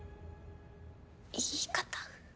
言い方。